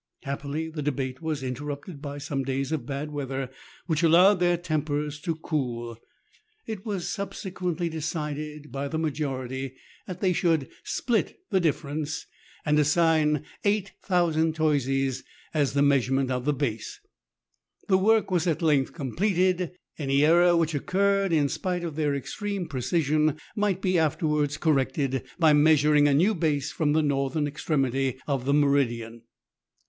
Happily the debate was in terrupted by some days of bad weather, which allowed tl;eir tempers to cool. It was subsequently decided by the F a 68 meridiana; the adventures of majority that they should " split the difference," and assign 8000 toises as the measurement of the base. The work was at length completed. Any error which occurred, in spite of their extreme precision, might be afterwards cor rected by measuring a new base from the northern ex tremity of the meridian.